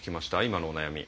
今のお悩み。